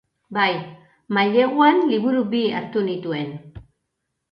Bai, maileguan, liburu bi hartu nituen.